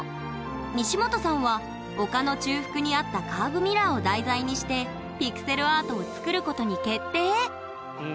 西本さんは丘の中腹にあったカーブミラーを題材にしてピクセルアートを作ることに決定！